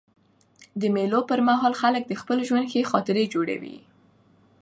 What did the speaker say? د مېلو پر مهال خلک د خپل ژوند ښې خاطرې جوړوي.